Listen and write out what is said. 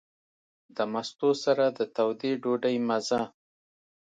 د مستو سره د تودې ډوډۍ مزه.